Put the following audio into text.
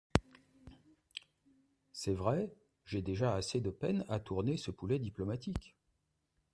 C’est vrai !… j’ai déjà assez de peine à tourner ce poulet diplomatique…